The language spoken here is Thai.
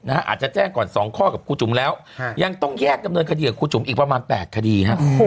อาจจะแจ้งก่อน๒ข้อกับครูจุ๋มแล้วยังต้องแยกดำเนินคดีกับครูจุ๋มอีกประมาณ๘คดี